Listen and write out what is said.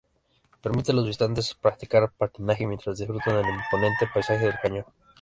Permite a los visitantes practicar patinaje mientras disfrutan del imponente paisaje del cañón.